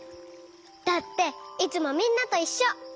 だっていつもみんなといっしょ！